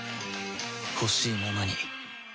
ほしいままに